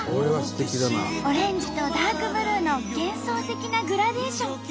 オレンジとダークブルーの幻想的なグラデーション。